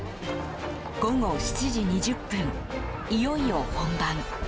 午後７時２０分、いよいよ本番。